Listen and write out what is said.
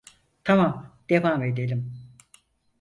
Tamam, devam edelim.